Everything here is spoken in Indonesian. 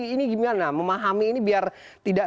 ini gimana memahami ini biar tidak